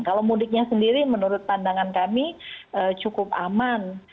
kalau mudiknya sendiri menurut pandangan kami cukup aman